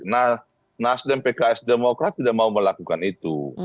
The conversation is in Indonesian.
nah nasdem pks demokrat tidak mau melakukan itu